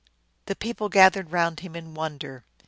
The people gathered round him in wonder.